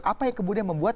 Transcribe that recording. apa yang kemudian membuat